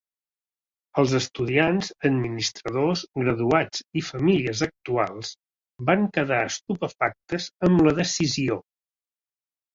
Els estudiants, administradors, graduats i famílies actuals van quedar estupefactes amb la decisió.